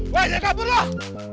buat jangan kabur loh